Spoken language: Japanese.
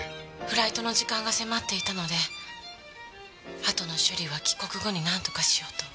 フライトの時間が迫っていたのであとの処理は帰国後になんとかしようと。